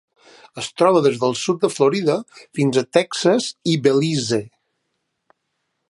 Es troba des del sud de Florida fins a Texas i Belize.